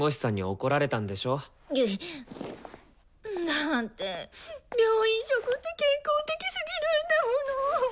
だって病院食って健康的すぎるんだもの。